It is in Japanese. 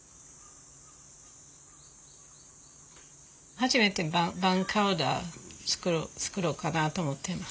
初めてバーニャカウダ作ろうかなと思ってます。